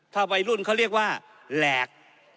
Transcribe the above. ถ้าวัยรุ่นเขาเรียกว่าแหลก